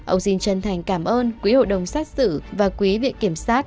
ông xin chân thành cảm ơn quý hội đồng xét xử và quý viện kiểm soát